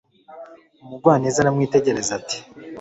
Umugwaneza aramwitegereza ati